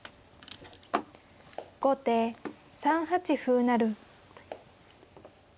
後手３八歩成。